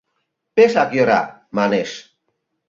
— Пешак йӧра, — манеш.